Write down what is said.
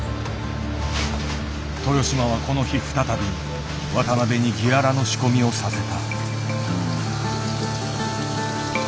豊島はこの日再び渡辺にギアラの仕込みをさせた。